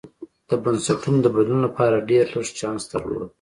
د بنسټونو د بدلون لپاره ډېر لږ چانس درلود.